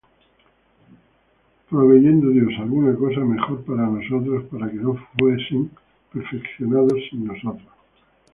Proveyendo Dios alguna cosa mejor para nosotros, para que no fuesen perfeccionados sin nosotros.